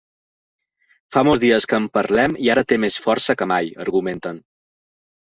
Fa molts dies que en parlem i ara té més força que mai, argumenten.